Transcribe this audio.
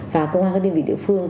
và công an các đơn vị địa phương